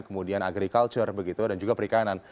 kemudian agrikultur begitu dan juga perikanan